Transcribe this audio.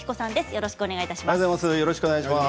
よろしくお願いします。